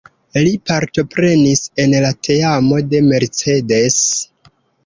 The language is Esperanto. Li partoprenis en la teamo de Mercedes.